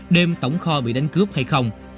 đêm tổng kho bị đánh cướp hay không